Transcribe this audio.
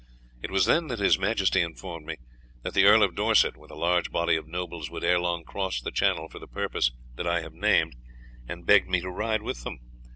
It was then that his Majesty informed me that the Earl of Dorset with a large body of nobles would ere long cross the Channel for the purpose that I have named, and begged me to ride with them.